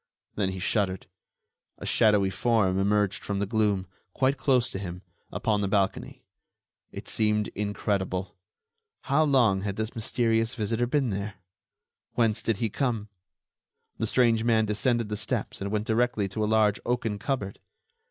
Then he shuddered; a shadowy form emerged from the gloom, quite close to him, upon the balcony. It seemed incredible. How long had this mysterious visitor been there? Whence did he come? The strange man descended the steps and went directly to a large oaken cupboard.